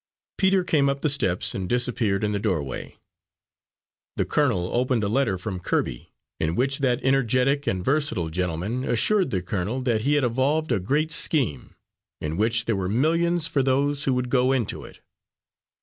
Peter came up the steps and disappeared in the doorway. The colonel opened a letter from Kirby, in which that energetic and versatile gentleman assured the colonel that he had evolved a great scheme, in which there were millions for those who would go into it.